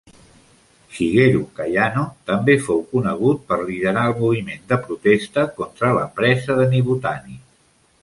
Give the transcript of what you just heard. Shigeru Kayano també fou conegut per liderar el moviment de protesta contra la presa de Nibutani.